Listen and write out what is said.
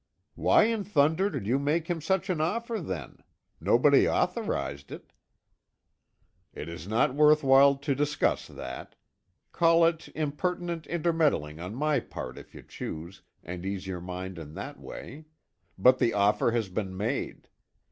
"Why in thunder did you make him such an offer, then? Nobody authorized it." "It is not worth while to discuss that. Call it impertinent intermeddling on my part, if you choose, and ease your mind in that way. But the offer has been made.